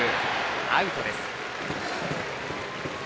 アウトです。